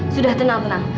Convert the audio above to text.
sudah tenang tenang